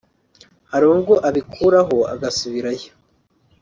hari ubwo abikuraho ugasubirayo